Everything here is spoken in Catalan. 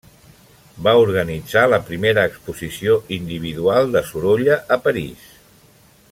Va organitzar la primera exposició d'individual de Sorolla a París.